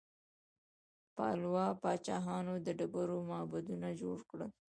پالوا پاچاهانو د ډبرو معبدونه جوړ کړل.